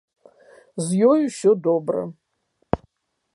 З ёй усё добра.